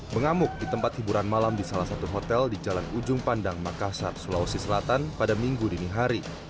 mengamuk di tempat hiburan malam di salah satu hotel di jalan ujung pandang makassar sulawesi selatan pada minggu dini hari